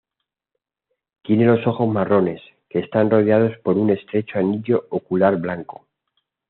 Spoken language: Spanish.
Tiene los ojos marrones, que están rodeados por un estrecho anillo ocular blanco.